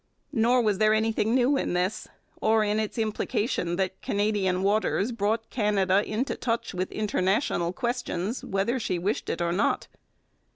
Nor was there anything new in this, or in its implication that Canadian waters brought Canada into touch with international questions, whether she wished it or not.